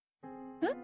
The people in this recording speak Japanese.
え。